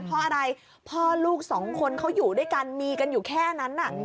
เพราะอะไรพ่อลูกสองคนเขาอยู่ด้วยกันมีกันอยู่แค่นั้น